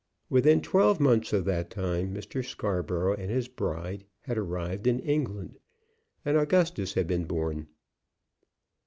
Within twelve months of that time Mr. Scarborough and his bride had arrived in England, and Augustus had been born.